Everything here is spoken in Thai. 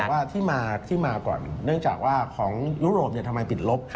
แต่ว่าที่มาที่มาก่อนเนื่องจากว่าของยุโรปทำไมปิดลบ